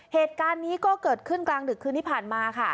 เหตุการณ์นี้ก็เกิดขึ้นกลางดึกคืนที่ผ่านมาค่ะ